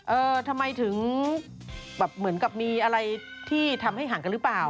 เออทำไมถึงแบบเหมือนกับมีอะไรที่ทำให้ห่างกันหรือเปล่า